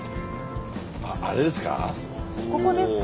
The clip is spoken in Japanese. あっあれですか？